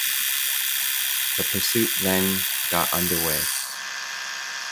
The pursuit then got under way.